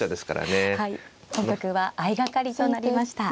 本局は相掛かりとなりました。